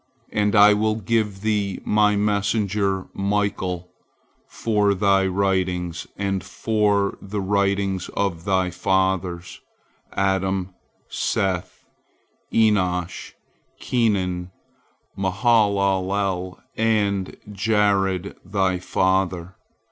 And I will give thee My messenger Michael for thy writings and for the writings of thy fathers, Adam, Seth, Enosh, Kenan, Mahalalel, and Jared thy father.